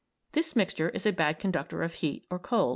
This mixture is a bad conductor of heat or cold.